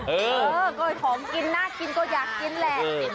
เออก็หอมกินน่ากินก็อยากกินแหละ